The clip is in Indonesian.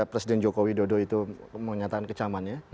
sejak presiden jokowi dodo itu menyatakan kecamannya